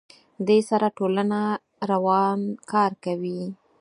دې سره ټولنه روان کار کوي.